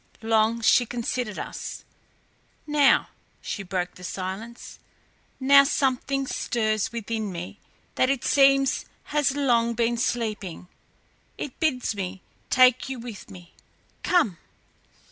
Long she considered us. "Now," she broke the silence, "now something stirs within me that it seems has long been sleeping. It bids me take you with me. Come!"